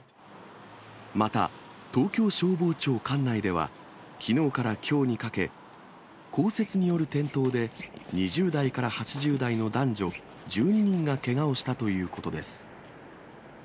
また東京消防庁管内では、きのうからきょうにかけ、降雪による転倒で、２０代から８０代の男女１２人がけがをしたということです。